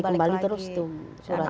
setiap kembali kembali terus tuh suratnya